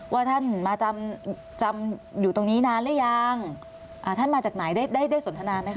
ว่าท่านมาจำจำอยู่ตรงนี้นานหรือยังอ่าท่านมาจากไหนได้ได้สนทนาไหมค